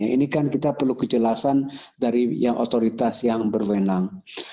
ini kan kita perlu kejelasan dari yang otoritas yang berwenang